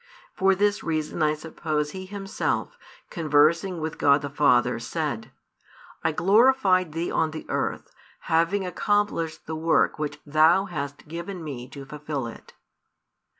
For this reason I suppose He Himself, conversing with God the Father, said: I glorified Thee on the earth, having accomplished the work which Thou hast given Me to fulfil it.